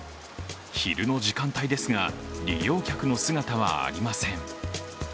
昼の時間帯ですが、利用客の姿はありません。